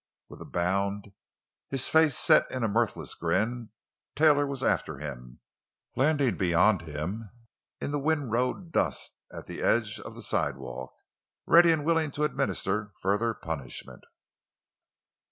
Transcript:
With a bound, his face set in a mirthless grin, Taylor was after him, landing beyond him in the windrowed dust at the edge of the sidewalk, ready and willing to administer further punishment.